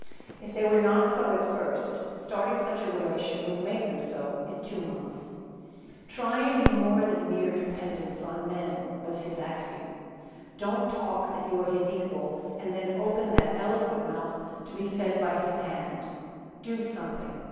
If they were not so at first starting such a relation would make them so in two months. "Try and be more than mere dependents on men," was his axiom. "Don't talk that you are his equal, and then open that eloquent mouth to be fed by his hand do something!